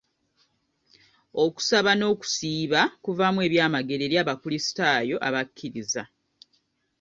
Okusaba n'okusiiba kuvaamu eby'amagero eri abakulisitaayo abakkiriza.